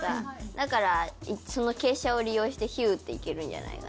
だからその傾斜を利用してヒューっていけるんじゃないかな。